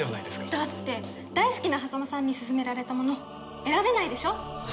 だって大好きな波佐間さんに勧められたもの選べないでしょ？